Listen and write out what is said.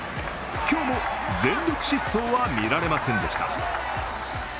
今日も全力疾走は見られませんでした。